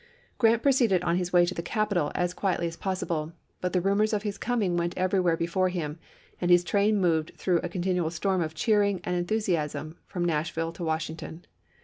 Grant proceeded on his way to the capital as quietly as possible, but the rumors of his coming went eveiywhere before him, and his train moved through a continual storm of cheering and enthu siasm from Nashville to Washington.